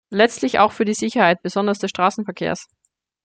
Letztlich auch für die Sicherheit, besonders des Straßenverkehrs.